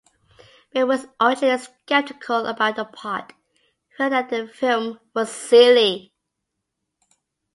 Biehn was originally skeptical about the part, feeling that the film was silly.